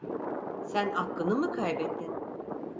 Sen aklını mı kaybettin?